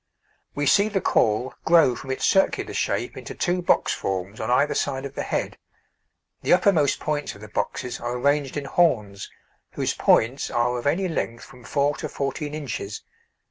We see the caul grow from its circular shape into two box forms on either side of the head; the uppermost points of the boxes are arranged in horns, whose points are of any length from 4 to 14 inches.